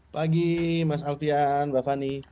pagi mas alfian mbak fani